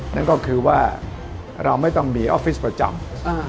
นั่นก็คือว่าเราไม่ต้องมีออฟฟิศประจำ